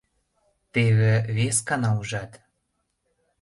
Теве вескана ужат...